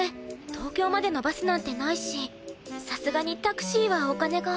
東京までのバスなんてないしさすがにタクシーはお金が。